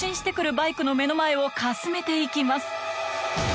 バイクの目の前をかすめて行きます